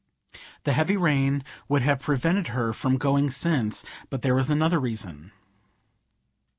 The heavy rain would have prevented her from going since; but there was another reason.